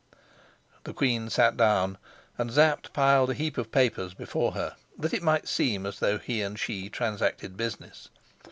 The queen sat down, and Sapt piled a heap of papers before her, that it might seem as though he and she transacted business.